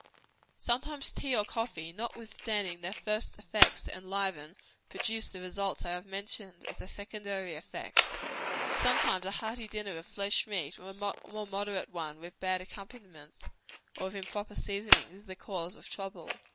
Sometimes tea or coffee, notwithstanding their first effects to enliven, produce the results I have mentioned, as their secondary effects. Sometimes a hearty dinner of flesh meat, or a more moderate one, with bad accompaniments, or with improper seasonings, is the cause of trouble.